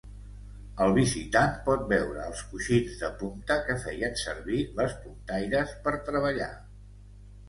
El visitant pot veure els coixins de punta que feien servir les puntaires per treballar.